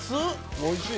おいしい。